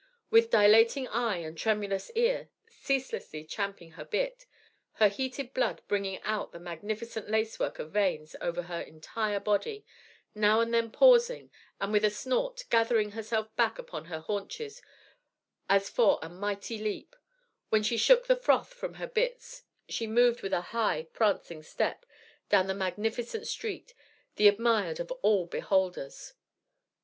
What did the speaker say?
With dilating eye and tremulous ear, ceaselessly champing her bit, her heated blood bringing out the magnificent lacework of veins over her entire body, now and then pausing, and with a snort gathering herself back upon her haunches as for a mighty leap, while she shook the froth from her bits, she moved with a high, prancing step down the magnificent street, the admired of all beholders.